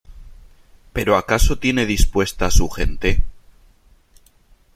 ¿ pero acaso tiene dispuesta su gente ?